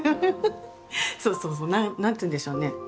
そうそうそう何て言うんでしょうね。